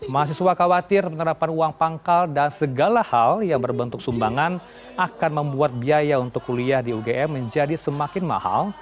mahasiswa khawatir penerapan uang pangkal dan segala hal yang berbentuk sumbangan akan membuat biaya untuk kuliah di ugm menjadi semakin mahal